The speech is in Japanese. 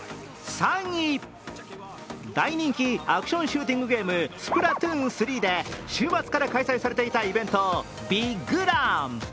大人気アクションシューティングゲーム、「スプラトゥーン３」で週末から開催されていたイベント、ビッグラン。